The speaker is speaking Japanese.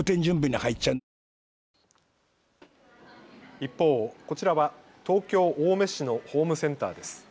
一方、こちらは東京青梅市のホームセンターです。